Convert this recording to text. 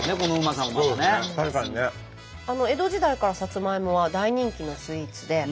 江戸時代からサツマイモは大人気のスイーツで。